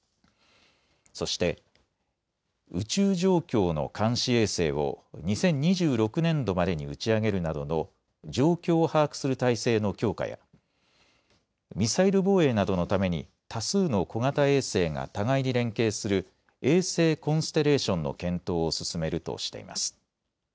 そして宇宙状況の監視衛星を２０２６年度までに打ち上げるなどの状況を把握する体制の強化やミサイル防衛などのために多数の小型衛星が互いに連携する衛星コンステレーションの検討を進めるとしています。